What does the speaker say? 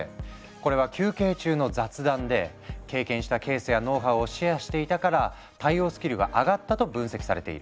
これは休憩中の雑談で経験したケースやノウハウをシェアしていたから対応スキルが上がったと分析されている。